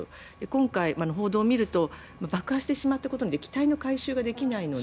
今回、報道を見ると爆破してしまったことで機体の回収ができないので。